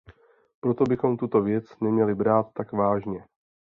Proto bychom tuto věc neměli brát tak vážně.